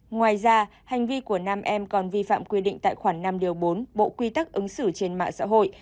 ngoài ra hành vi của nam em còn vi phạm quy định tại khoản năm điều bốn bộ quy tắc ứng xử trên mạng xã hội